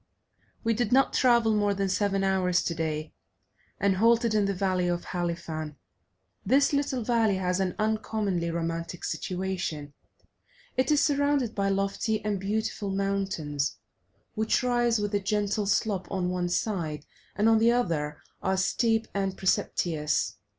We did not travel more than seven hours today, and halted in the valley of Halifan. This little valley has an uncommonly romantic situation; it is surrounded by lofty and beautiful mountains, which rise with a gentle slope on one side, and on the other are steep and precipitous.